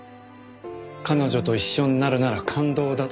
彼女と一緒になるなら勘当だと。